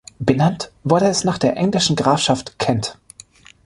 Benannt wurde es nach der englischen Grafschaft Kent.